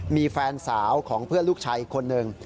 มีแฟนสาวของเพื่อนลูกชายอีกคนนึง